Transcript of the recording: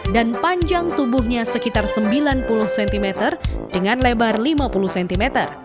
dan panjang tubuhnya sekitar sembilan puluh cm dengan lebar lima puluh cm